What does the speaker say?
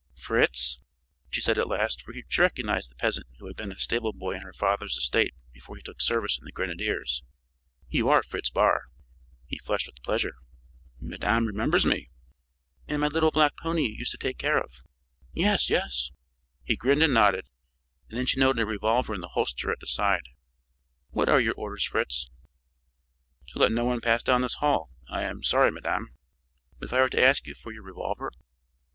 "Fritz!" she said at last, for she recognized the peasant who had been a stable boy on her father's estate before he took service in the grenadiers. "You are Fritz Barr!" He flushed with pleasure. "Madame remembers me?" "And my little black pony you used to take care of?" "Yes, yes!" He grinned and nodded; and then she noted a revolver in the holster at his side. "What are your orders, Fritz?" "To let no one pass down this hall. I am sorry, madame." "But if I were to ask you for your revolver?"